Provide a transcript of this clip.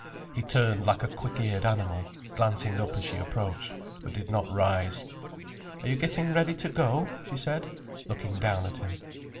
He turned like a quick eared animal glancing up as she approached, but did not rise. "Are you getting ready to go?" she said, looking down at him.